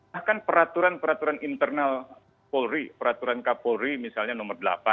bahkan peraturan peraturan internal polri peraturan kapolri misalnya nomor delapan